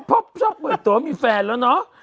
เพราะชอบเปิดตัวมีแฟนแล้วเนาะ